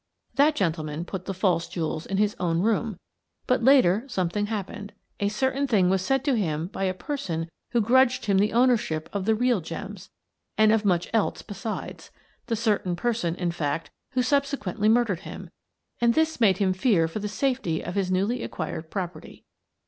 That gentleman put the false jewels in his own room, but later something happened, — a certain thing was said to him by a person who grudged him the ownership of the real gems, and of much else besides — the certain person, in fact, who subsequently murdered him, — and this made him fear for the safety of his newly acquired property.